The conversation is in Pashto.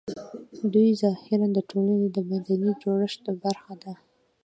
دوی ظاهراً د ټولنې د مدني جوړښت برخه ده